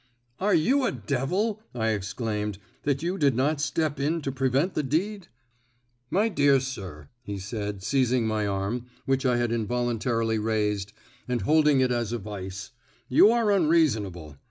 "Are you a devil," I exclaimed, "that you did not step in to prevent the deed?" "My dear sir," he said, seizing my arm, which I had involuntarily raised, and holding it as in a vice, "you are unreasonable.